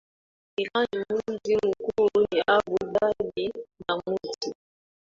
Iran Mji mkuu ni Abu Dhabi na mji